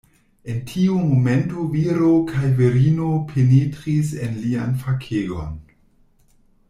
En tiu momento viro kaj virino penetris en lian fakegon.